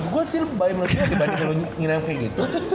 gue sih menurut gue dibandingin lo nginep kayak gitu